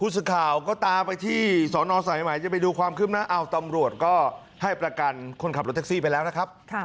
เสร็จแล้วก็มาพาผมอีก